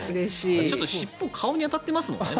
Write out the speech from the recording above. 尻尾顔に当たってますもんね。